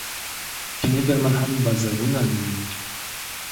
چیني درمل هم بازارونه نیولي دي.